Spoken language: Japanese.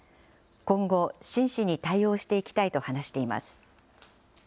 今後、真摯に対応していきたいと話しています。